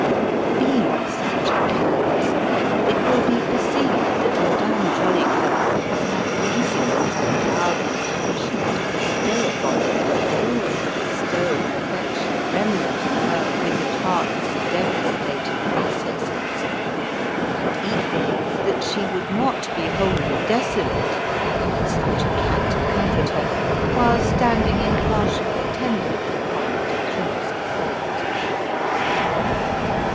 Being such a cat, it will be perceived that Madame Jolicoeur had reason in her avowed intention to bestow upon him all of the bestowable affection remnant in her withered heart's devastated recesses; and, equally, that she would not be wholly desolate, having such a cat to comfort her, while standing impartially attendant upon the decrees of fate.